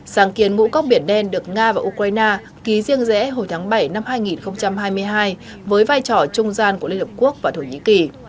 sáng kiến ngũ cốc biển đen được nga và ukraine ký riêng rẽ hồi tháng bảy năm hai nghìn hai mươi hai với vai trò trung gian của liên hợp quốc và thổ nhĩ kỳ